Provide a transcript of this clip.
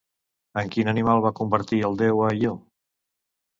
En quin animal va convertir el déu a Io?